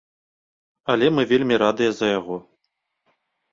Але мы вельмі радыя за яго.